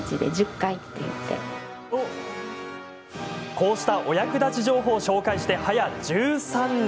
こうしたお役立ち情報を紹介して早１３年。